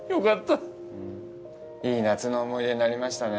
いい夏の思い出になりましたね。